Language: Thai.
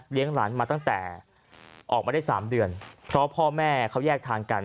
หลานมาตั้งแต่ออกมาได้๓เดือนเพราะพ่อแม่เขาแยกทางกัน